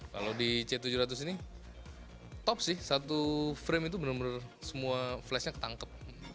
kalau di c tujuh ratus ini top sih satu frame itu benar benar semua flashnya ketangkep